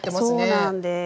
そうなんです。